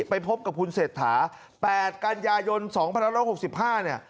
ไปพบกับคุณเศรษฐา๘กันยายน๒๑๖๕เนี่ย